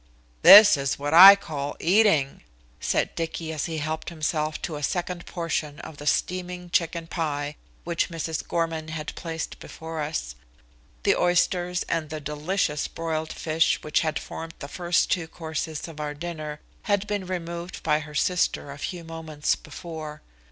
"This is what I call eating," said Dicky as he helped himself to a second portion of the steaming chicken pie which Mrs. Gorman had placed before us. The oysters and the delicious broiled fish which had formed the first two courses of our dinner had been removed by her sister a few moments before.